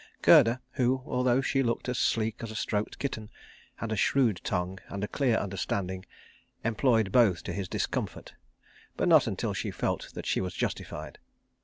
Gerda, who, although she looked as sleek as a stroked kitten, had a shrewd tongue and a clear understanding, employed both to his discomfort but not until she felt that she was justified.